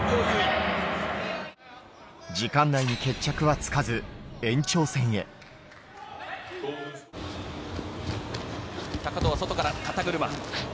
時間内に決着はつかず、高藤は外から肩車。